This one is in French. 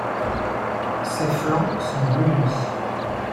Ses flancs sont bleu nuit.